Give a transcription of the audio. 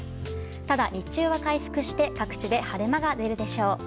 ただ、日中は回復して各地で晴れ間が出るでしょう。